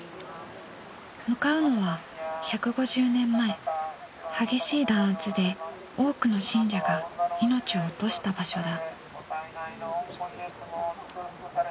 向かうのは１５０年前激しい弾圧で多くの信者が命を落とした場所だ。